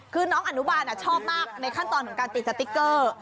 คือน้องอนุบาลชอบมากในขั้นตอนของการติดสติ๊กเกอร์